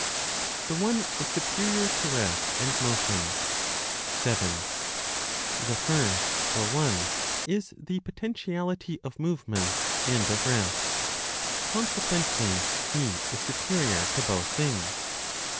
THE ONE IS SUPERIOR TO REST AND MOTION. 7. The First (or One) is the potentiality of movement and of rest; consequently, He is superior to both things.